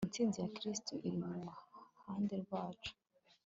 Intsinzi ya Kristo Iri mu Ruhande Rwacu